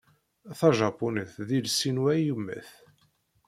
Tajapunit d iles-inu ayemmat.